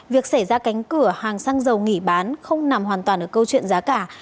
việc xảy ra cánh cửa hàng xăng dầu nghỉ bán không nằm hoàn toàn ở câu chuyện giá cả